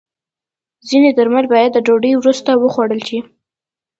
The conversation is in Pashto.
ځینې درمل باید د ډوډۍ وروسته وخوړل شي.